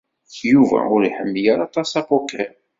Yuba ur iḥemmel ara aṭas apoker.